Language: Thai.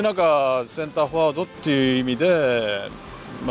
ยังมีส่วนชาติเจ้าที่เป็นต้นที่เฉลี่ยม